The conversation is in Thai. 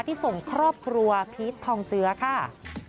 ที่ส่งครอบครัวพีชทองเจือค่ะ